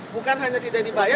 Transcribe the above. bukan hanya tidak dibayar